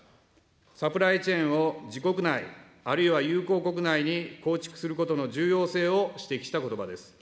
サプライチェーンを自国内、あるいは友好国内に構築することの重要性を指摘したことばです。